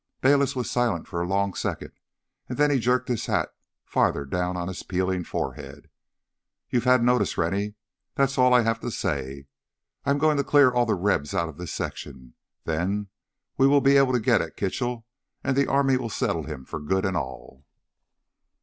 Bayliss was silent for a long second, and then he jerked his hat farther down on his peeling forehead. "You've had notice, Rennie, that's all I have to say. I'm going to clear all the Rebs out of this section. Then we will be able to get at Kitchell, and the army will settle him for good and all!"